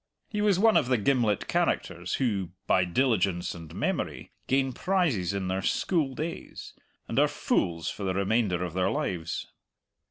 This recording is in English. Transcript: He was one of the gimlet characters who, by diligence and memory, gain prizes in their school days and are fools for the remainder of their lives.